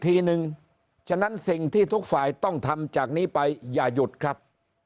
ทีนึงฉะนั้นสิ่งที่ทุกฝ่ายต้องทำจากนี้ไปอย่าหยุดครับ